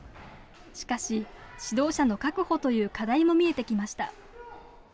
しかし、指導者の確保という課題も見えてきました。